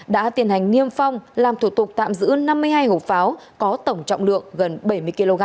đã tiến hành niêm phong làm thủ tục tạm giữ năm mươi hai hộp pháo có tổng trọng lượng gần bảy mươi kg